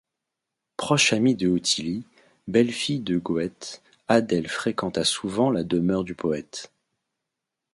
Proche amie de Ottilie, belle-fille de Goethe, Adèle fréquenta souvent la demeure du poète.